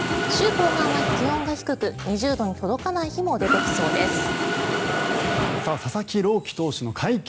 週後半は気温が低く２０度に届かない日も出てきそうです。